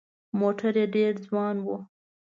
موټر یې ډېر ځوان و.